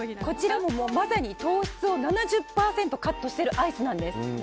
こちらもまさに糖質を７０％カットしているアイスなんです。